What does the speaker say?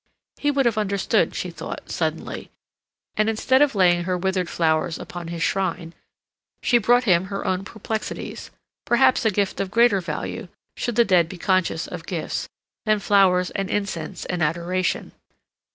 He would have understood, she thought, suddenly; and instead of laying her withered flowers upon his shrine, she brought him her own perplexities—perhaps a gift of greater value, should the dead be conscious of gifts, than flowers and incense and adoration.